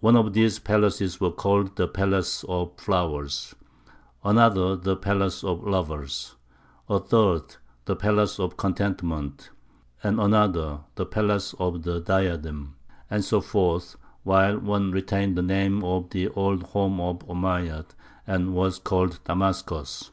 One of these palaces was called the Palace of Flowers, another the Palace of Lovers, a third the Palace of Contentment, and another the Palace of the Diadem, and so forth, while one retained the name of the old home of the Omeyyads and was called "Damascus."